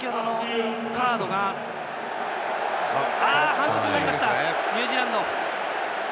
反則になりましたニュージーランド。